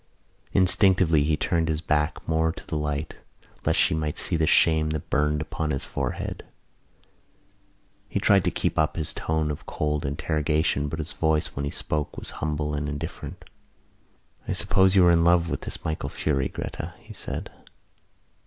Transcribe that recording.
Instinctively he turned his back more to the light lest she might see the shame that burned upon his forehead. He tried to keep up his tone of cold interrogation, but his voice when he spoke was humble and indifferent. "I suppose you were in love with this Michael Furey, Gretta," he said.